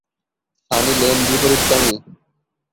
Sunny Leone বিপরীতকামী।